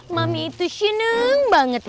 mami itu seneng banget